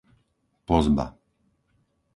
Pozba